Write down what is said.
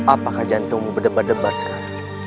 apakah jantungmu berdebar debar sekarang